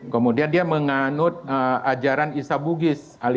kemudian dia menganut ajaran isa bugis